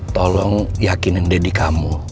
tolong yakinin didi kamu